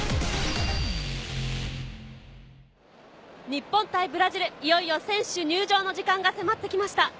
日本対ブラジル、いよいよ選手入場の時間が迫ってきました。